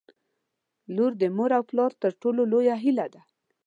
• لور د مور او پلار تر ټولو لویه هیله ده.